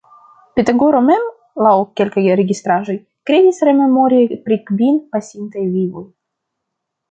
Pitagoro mem, laŭ kelkaj registraĵoj, kredis rememori pri kvin pasintaj vivoj.